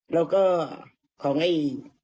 แล้วก็ของไอ้